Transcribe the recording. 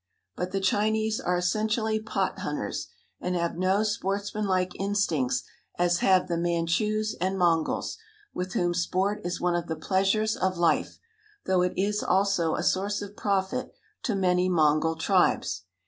But the Chinese are essentially pot hunters, and have no sportsmanlike instincts as have the Manchus and Mongols, with whom sport is one of the pleasures of life, though it is also a source of profit to many Mongol tribes.